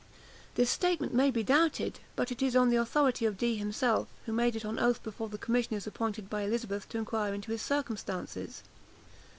This statement may be doubted; but it is on the authority of Dee himself, who made it on oath before the commissioners appointed by Elizabeth to inquire into his circumstances.